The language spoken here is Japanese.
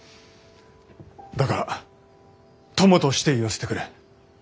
だから友として言わせてくれ。